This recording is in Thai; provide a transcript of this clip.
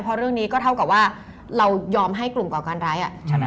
เพราะเรื่องนี้ก็เท่ากับว่าเรายอมให้กลุ่มก่อการร้าย